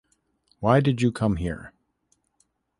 Why did you come here?